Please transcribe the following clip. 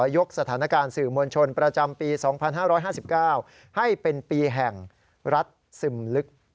ยกสถานการณ์สื่อมวลชนประจำปี๒๕๕๙ให้เป็นปีแห่งรัฐซึมลึก